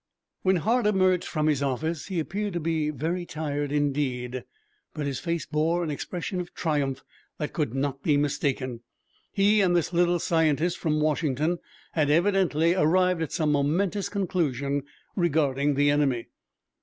When Hart emerged from his office he appeared to be very tired, indeed, but his face bore an expression of triumph that could not be mistaken. He and this little scientist from Washington had evidently arrived at some momentous conclusion regarding the enemy.